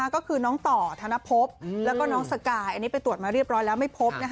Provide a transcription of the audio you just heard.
ก็คือน้องต่อธนภพแล้วก็น้องสกายอันนี้ไปตรวจมาเรียบร้อยแล้วไม่พบ